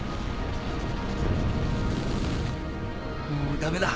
もうダメだ。